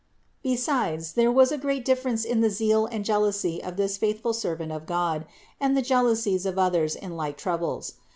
Besides, there was a great difference in the zeal and jealousy of this faithful servant of God and the jealousies of others in like trou bles.